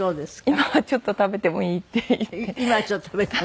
今は「ちょっと食べてもいい」って言って。